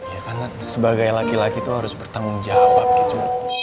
ya karena sebagai laki laki itu harus bertanggung jawab gitu